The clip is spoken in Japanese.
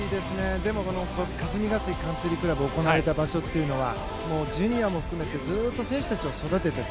でも、霞ヶ関カンツリー倶楽部行われた場所というのはジュニアも含めてずっと選手たちを育ててた。